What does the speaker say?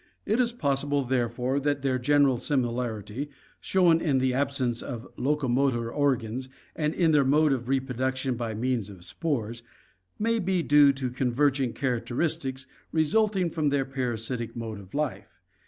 It is possible, therefore, that their general similarity, shown in the absence of locomotor organs and in their mode of reproduction by means of spores, may be due to convergent characters resulting from their parasitic mode of life.